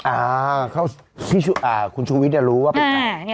อ่าเขาคุณชุวิทย์จะรู้ว่าเป็นใคร